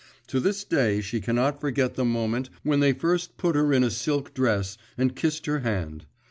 To this day she cannot forget the moment when they first put her on a silk dress and kissed her hand.